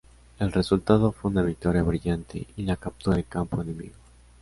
El resultado fue una victoria brillante y la captura de campo enemigo.